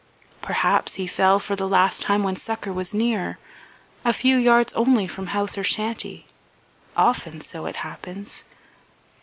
Perhaps he fell for the last time when succour was near, a few yards only from house or shanty. Often so it happens.